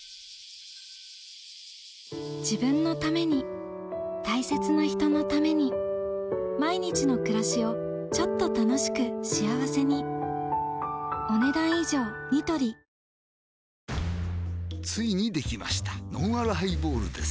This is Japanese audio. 自分のために大切な人のために毎日の暮らしをちょっと楽しく幸せについにできましたのんあるハイボールです